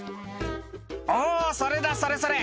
「おぉそれだそれそれ！